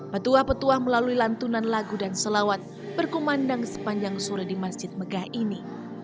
petua petua melalui lantunan lagu dan sholawat berkumandang sepanjang sore di masjid megah ini